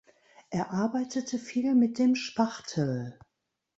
Er arbeitete viel mit dem Spachtel.